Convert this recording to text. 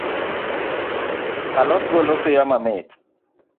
A lot golo suya mamit